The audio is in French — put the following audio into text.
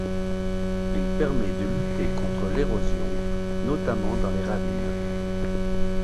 Il permet de lutter contre l'érosion, notamment dans les ravines.